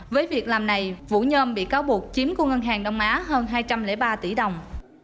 với việc làm này vũ nhôm bị cáo buộc chiếm của ngân hàng đông á hơn hai trăm linh ba tỷ đồng